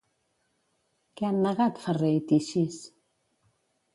Què han negat Ferrer i Tixis?